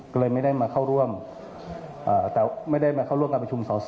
ก็เลยไม่ได้มาเข้าร่วมกับประชุมส่อ